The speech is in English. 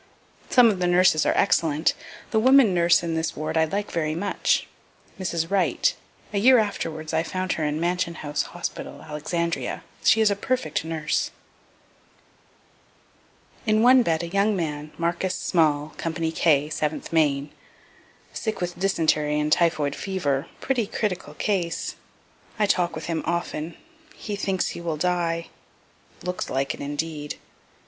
Some of the nurses are excellent. The woman nurse in this ward I like very much. (Mrs. Wright a year afterwards I found her in Mansion house hospital, Alexandria she is a perfect nurse.) In one bed a young man, Marcus Small, company K, 7th Maine sick with dysentery and typhoid fever pretty critical case I talk with him often he thinks he will die looks like it indeed.